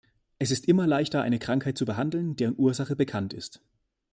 Es ist immer leichter, eine Krankheit zu behandeln, deren Ursache bekannt ist.